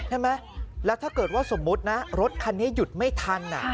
ใช่ไหมแล้วถ้าเกิดว่าสมมุตินะรถคันนี้หยุดไม่ทัน